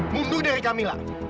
mundur dari camilla